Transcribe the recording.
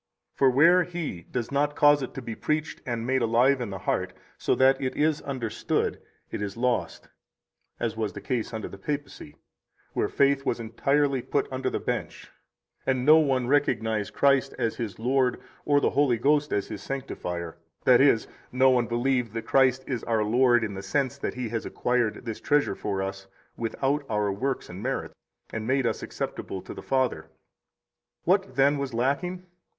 43 For where He does not cause it to be preached and made alive in the heart, so that it is understood, it is lost, as was the case under the Papacy, where faith was entirely put under the bench, and no one recognized Christ as his Lord or the Holy Ghost as his Sanctifier, that is, no one believed that Christ is our Lord in the sense that He has acquired this treasure for us, without our works and merit, and made us acceptable to the Father. What, then, was lacking?